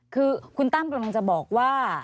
คือคุณตั้มกำลังจะบอกว่า